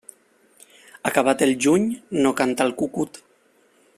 Acabat el juny, no canta el cucut.